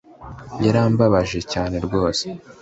yarambabaje cyane rwose,